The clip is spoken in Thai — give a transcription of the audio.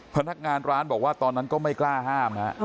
พนักงานร้านบอกว่าตอนนั้นก็ไม่กล้าห้ามฮะ